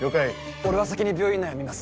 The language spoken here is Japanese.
俺は先に病院内を見ます